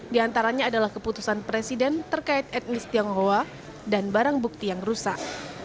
di antaranya adalah keputusan presiden terkait etnis tionghoa dan barang bukti yang rusak